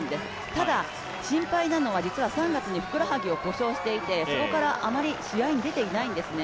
ただ心配なのは３月にふくらはぎを故障していてそこからあまり試合に出ていないんですね。